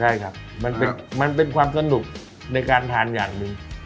ใช่ครับมันเป็นความสนุกในการทานอย่างหนึ่ง